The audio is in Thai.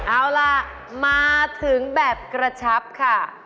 เอาล่ะมาถึงแบบกระชับค่ะ